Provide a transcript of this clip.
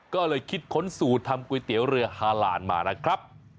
ก็เลยคิดค้นสูตรทำก๋วยเตี๋ยวเรือฮาลานมานะครับ